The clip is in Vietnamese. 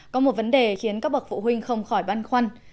có một vấn đề khiến các bậc phụ huynh không khỏi băn khoăn